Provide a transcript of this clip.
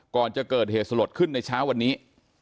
ก่อนจะเกิดเหตุสลดขึ้นในเช้าวันนี้